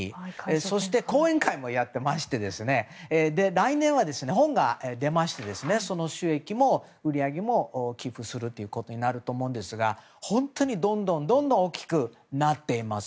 そして講演会もやってまして来年は本が出ましてその収益も寄付するということになると思うんですが本当にどんどん大きくなっています。